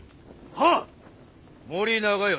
はっ！